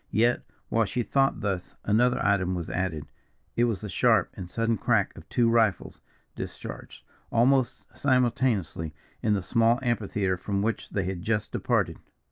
Yet, while she thought thus, another item was added it was the sharp and sudden crack of two rifles, discharged, almost simultaneously, in the small amphitheatre from which they had just departed.